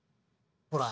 ほら。